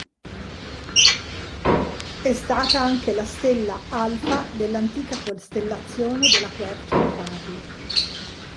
È stata anche la stella "alfa" dell'antica costellazione della Quercia di Carlo.